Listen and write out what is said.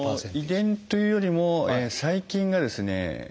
遺伝というよりも細菌がですね